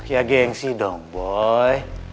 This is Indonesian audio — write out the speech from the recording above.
ya geng sih dong boy